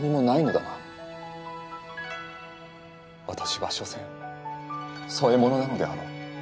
私は所詮添え物なのであろう？